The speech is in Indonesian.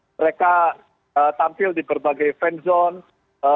mereka tampil di berbagai fan zone